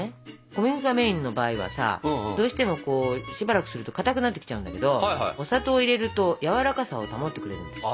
小麦粉がメインの場合はさどうしてもしばらくするとかたくなってきちゃうんだけどお砂糖を入れるとやわらかさを保ってくれるんです。